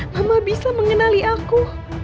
mama bisa mengenali aku